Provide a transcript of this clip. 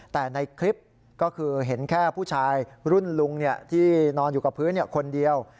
แต่ในคลิปก็คือเห็นแค่ผู้ชายรุ่นลุงที่นอนอยู่กับพื้นคนเดียว